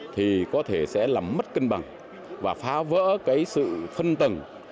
thì có thể sẽ làm mất cân bằng và phá vỡ cái sự phân tầng